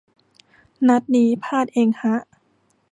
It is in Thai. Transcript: นัดนี้ พลาดเองฮะ